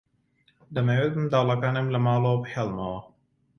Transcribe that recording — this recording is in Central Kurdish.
دەمەوێت منداڵەکانم لە ماڵەوە بهێڵمەوە.